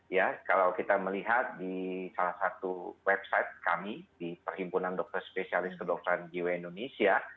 ya kalau kita melihat di salah satu website kami di perhimpunan dokter spesialis kedokteran jiwa indonesia